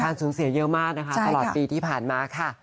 สูญเสียเยอะมากนะคะตลอดปีที่ผ่านมาค่ะ